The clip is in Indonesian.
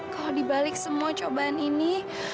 kalau dibalik semua cobaan ini